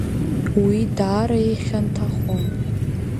Уи даара ихьанҭахон.